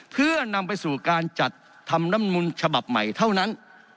เพื่อนำไปสู่การจัดทำน้ำมนต์ฉบับใหม่เท่านั้น